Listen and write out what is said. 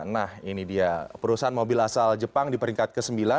nah ini dia perusahaan mobil asal jepang di peringkat ke sembilan